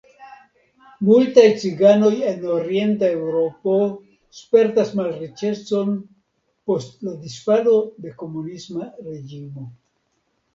Multaj ciganoj en Orienta Eŭropo spertas malriĉecon post la disfalo de komunisma reĝimo.